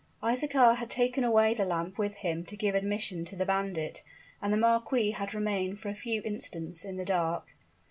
Isaachar had taken away the lamp with him to give admission to the bandit, and the marquis had remained for a few instants in the dark.